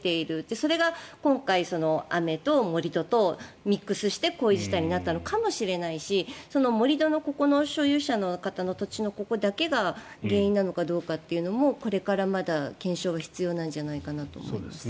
それが今回雨と盛り土とミックスしてこういう事態になったのかもしれないし盛り土のここの所有者の方の土地だけが原因なのかどうかもこれから検証が必要なんじゃないかなと思います。